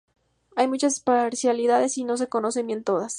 Hay muchas parcialidades y no se conocen bien todas"".